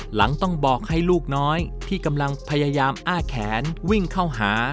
หลังต้องบอกให้ลูกน้อยที่กำลังพยายามอ้าแขนวิ่งเข้าหา